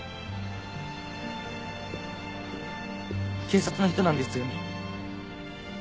警察の人なんですよね？